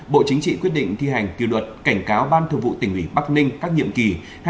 bộ chính trị quyết định thi hành kiều luật cảnh cáo ban thường vụ tỉnh ủy bắc ninh các nhiệm kỳ